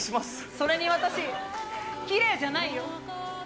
それに私、キレイじゃないよ。